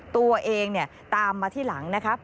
ตัวเองตามมาที่หลังนะครับ